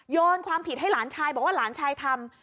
โยนความผิดให้หลานชายบอกว่าหลานชายทำ